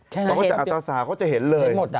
เขาก็จะอัลทราซาวน์เขาก็จะเห็นเลย